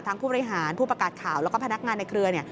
ผู้บริหารผู้ประกาศข่าวแล้วก็พนักงานในเครือเนี่ย